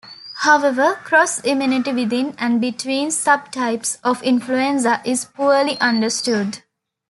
However, cross-immunity within and between subtypes of influenza is poorly understood.